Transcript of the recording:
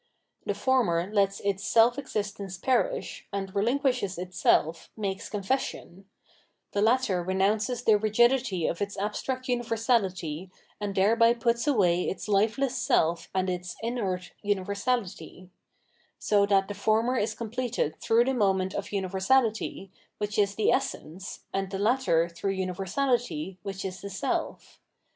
The former lets its self existence perish, and relinquishes itself, makes confession ; the latter renounces the rigidity of its abstract universality, and thereby puts away its lifeless self and its inert universality; so that the former is completed through the moment of universality, which is the essence, and the latter through universahty, which is self.